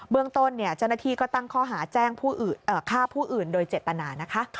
เรื่องต้นเจ้าหน้าที่ก็ตั้งข้อหาแจ้งฆ่าผู้อื่นโดยเจตนานะคะ